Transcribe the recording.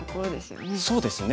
そうですね。